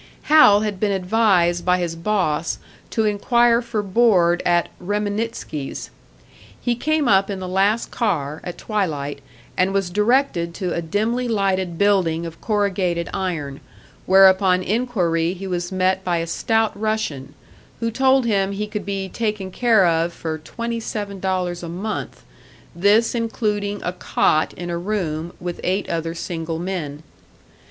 Hal had been advised by his boss to inquire for board at "Reminitsky's." He came up in the last car, at twilight, and was directed to a dimly lighted building of corrugated iron, where upon inquiry he was met by a stout Russian, who told him he could be taken care of for twenty seven dollars a month, this including a cot in a room with eight other single men.